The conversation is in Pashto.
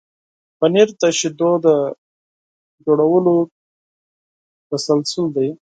پنېر د شیدو د تولید تسلسل دی.